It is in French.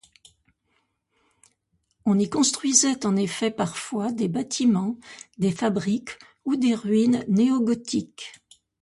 On y construisait en effet parfois des bâtiments, des fabriques ou des ruines néogothiques.